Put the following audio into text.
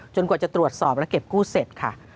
กว่าจะตรวจสอบและเก็บกู้เสร็จค่ะ